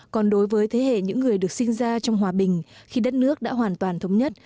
còn đối với thế hệ những người được sinh ra trong hòa bình khi đất nước đã hoàn toàn thống nhất